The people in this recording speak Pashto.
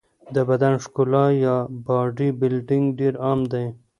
د بدن ښکلا یا باډي بلډینګ ډېر عام دی.